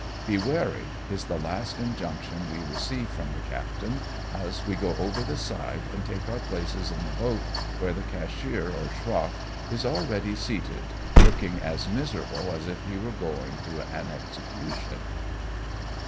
" Be warjj" is the last injunction we receive from the captain, as we go over the side and take our places in the hoat where the cashier or schroff is already seated, looking as miserable as if he were going to an execution.